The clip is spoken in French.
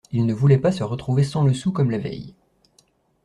Il ne voulait pas se retrouver sans le sou comme la veille.